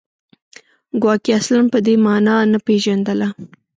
ګواکې اصلاً په دې معنا نه پېژندله